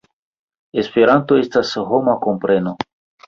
Esperanto estas homa kompreno.